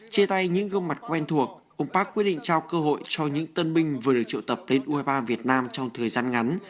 chia tay những gương mặt quen thuộc ông park quyết định trao cơ hội cho những tân binh vừa được triệu tập đến u hai mươi ba việt nam trong thời gian ngắn